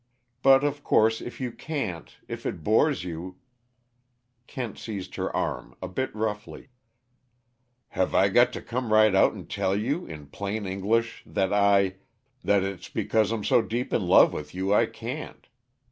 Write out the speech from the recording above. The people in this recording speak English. "But, of course, if you can't if it bores you " Kent seized her arm, a bit roughly, "Have I got to come right out and tell you, in plain English, that I that it's because I'm so deep in love with you I can't.